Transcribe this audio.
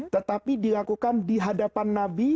tetapi dilakukan dihadapan nabi